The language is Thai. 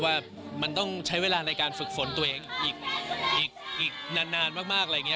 ว่ามันต้องใช้เวลาในการฝึกฝนตัวเองอีกนานมากอะไรอย่างนี้